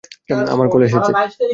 আমার কল এসেছে।